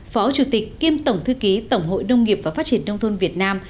phó chủ tịch kiêm tổng thư ký tổng hội nông nghiệp và phát triển nông thôn việt nam